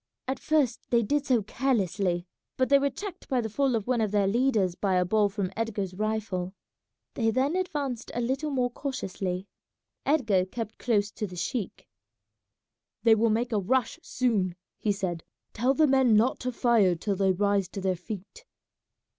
At first they did so carelessly, but they were checked by the fall of one of their leaders by a ball from Edgar's rifle. They then advanced a little more cautiously. Edgar kept close to the sheik. "They will make a rush soon," he said; "tell the men not to fire till they rise to their feet."